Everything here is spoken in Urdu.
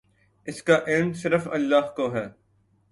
اس کا علم صرف اللہ کو ہے۔